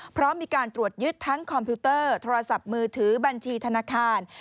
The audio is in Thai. เพราะมีการตรวจยึดทั้งคอมพิวเตอร์โทรศัพท์มือถือบัญชีธนาคาร